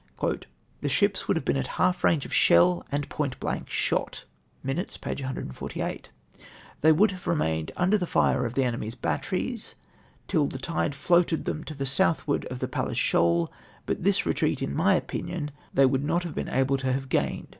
" The shijjs would have been at half range of shell and point blank shot." {Minutes, p. 148.) "They would have remained under the fire of the enemy's batteries till the tide floated them to the southward of the Palles Shoal ; but this retreat, in my opinion, they would not have been able to have gained."